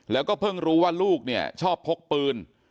แล้วก็เพิ่งรู้ว่าลูกเนี่ยชอบพกปืน